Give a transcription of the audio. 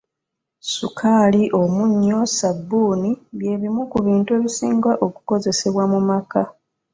Sukaali, omunnyo, sabbuuni bye bimu ku bintu ebisinga okukozesebwa mu maka.